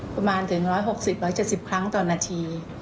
ประมาณถึง๑๖๐๑๗๐ครั้งต่อนาที